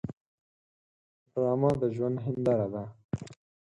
ډرامه د ژوند هنداره ده